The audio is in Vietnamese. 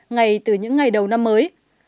ngày từ những ngày đầu năm mới